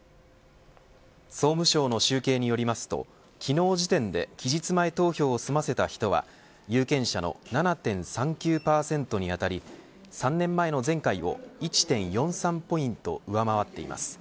総務省の集計によりますと昨日時点で期日前投票を済ませた人は有権者の７．３９％に当たり３年前の前回を１．４３ポイント上回っています。